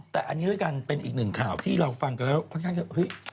แต่อันนี้ก็เป็นอีกหน่วงข่าวที่เราฟังคอนข้างเฉย